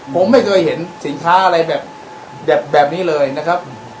ผมไม่เคยเห็นสินค้าอะไรแบบนี้เลยนะครับ